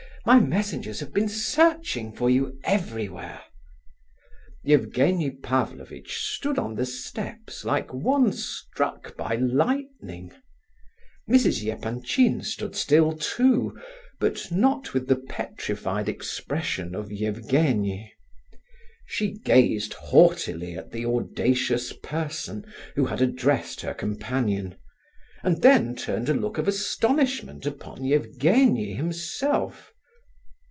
My messengers have been searching for you everywhere!" Evgenie Pavlovitch stood on the steps like one struck by lightning. Mrs. Epanchin stood still too, but not with the petrified expression of Evgenie. She gazed haughtily at the audacious person who had addressed her companion, and then turned a look of astonishment upon Evgenie himself.